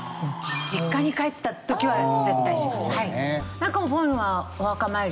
実家に帰った時は絶対します。